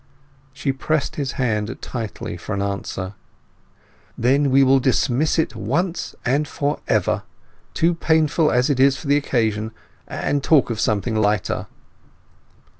She pressed his hand tightly for an answer. "Then we will dismiss it at once and for ever!—too painful as it is for the occasion—and talk of something lighter."